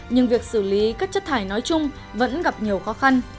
nhưng việc xử lý các chất thải nói chung vẫn gặp nhiều khó khăn